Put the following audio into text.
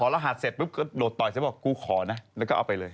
ลดต่อไปจะบอกกูขอนะแล้วก็เอาไปเลย